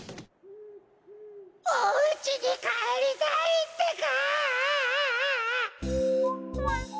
おうちにかえりたいってか！